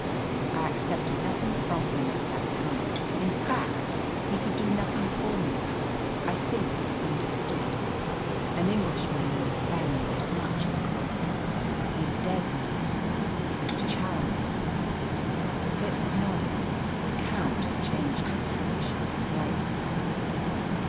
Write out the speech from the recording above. I accepted nothing from him at the time. In fact, he could do nothing for me. I think he understood. An Englishman and a Spaniard have much in common. He is dead now. It was Challoner." Fitz nodded. The Count changed his position slightly.